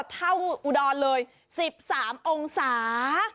เท่านั้นเลย๑๓องศา